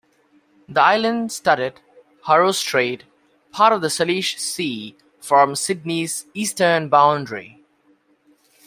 The island-studded Haro Strait, part of the Salish Sea forms Sidney's eastern boundary.